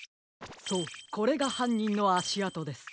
そうこれがはんにんのあしあとです。